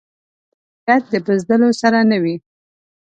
غیرت د بزدلو سره نه وي